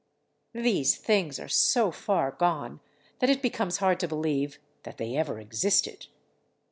These things are so far gone that it becomes hard to believe that they ever existed.